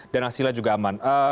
dan hasilnya juga aman